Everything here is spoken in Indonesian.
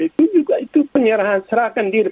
itu juga penyerahan diri